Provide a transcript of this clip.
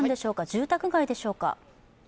住宅街でしょうか？